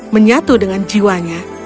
menyatu dengan jiwanya